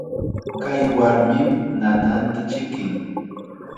Kay warmim nananta chikin.